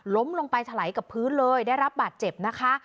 ลงไปถลายกับพื้นเลยได้รับบาดเจ็บนะคะ